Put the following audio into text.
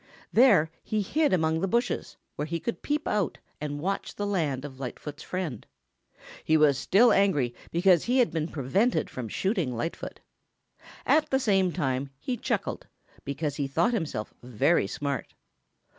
There he hid among the bushes where he could peep out and watch the land of Lightfoot's friend. He was still angry because he had been prevented from shooting Lightfoot. At the same time he chuckled, because he thought himself very smart.